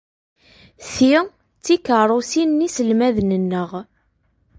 Ti d tikeṛṛusin n yiselmaden-nneɣ.